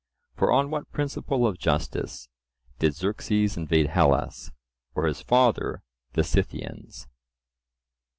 For on what principle of justice did Xerxes invade Hellas, or his father the Scythians?